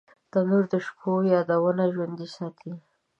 تنور د شپو یادونه ژوندۍ ساتي